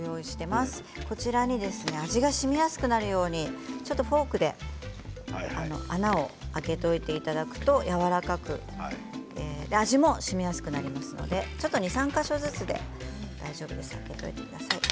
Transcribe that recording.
こちらに味がしみやすくなるようにフォークで穴を開けておいていただくとやわらかく味もしみやすくなりますので２、３か所ずつ穴を開けてください。